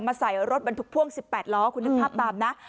มาใส่รถมันถูกพ่วงสิบแปดล้อคุณภาพตามนะ